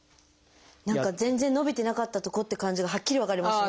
何か全然伸びてなかったとこって感じがはっきり分かりますね。